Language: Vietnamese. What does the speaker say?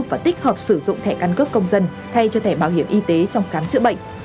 và tích hợp sử dụng thẻ căn cước công dân thay cho thẻ bảo hiểm y tế trong khám chữa bệnh